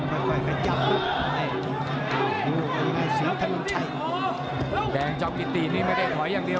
ค่อยค่อยขยับสีทะนุนไชแดงจ้องกิตตีนี่ไม่ได้ถอยอย่างเดียว